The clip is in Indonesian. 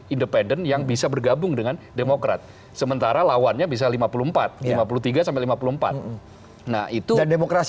independen yang bisa bergabung dengan demokrat sementara lawannya bisa lima puluh empat lima puluh tiga sampai lima puluh empat nah itu dan demokrasi